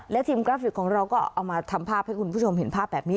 และทีมกราฟิกของเราก็เอามาทำภาพให้คุณผู้ชมเห็นภาพแบบนี้